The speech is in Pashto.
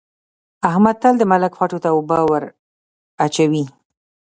احمد تل د ملک خوټو ته اوبه وراچوي.